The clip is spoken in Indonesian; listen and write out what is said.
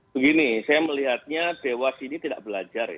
begini saya melihatnya dewas ini tidak belajar ya